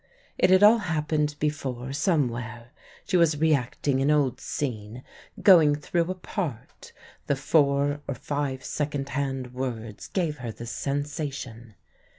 It had all happened before ... somewhere; she was reacting an old scene, going through a part; the four or five second hand words gave her this sensation.